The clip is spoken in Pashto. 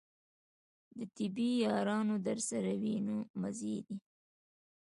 د طبې یاران درسره وي نو مزې دي.